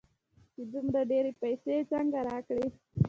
چې دومره ډېرې پيسې يې څنگه راکړې.